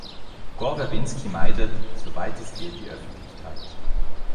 Gore Verbinski meidet, soweit es geht, die Öffentlichkeit.